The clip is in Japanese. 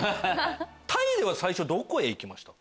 タイで最初どこへ行きました？